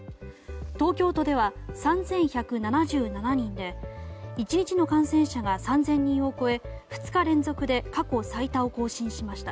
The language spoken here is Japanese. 東京都では３１７７人で１日の感染者が３０００人を超え２日連続で過去最多を更新しました。